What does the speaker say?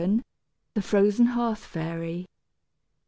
THE FROZEN HEARTH FAIRY.